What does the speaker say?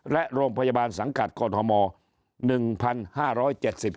และโรงพยาบาลสังกัดกรหัวหมอ๑๕๗๐ชิ้น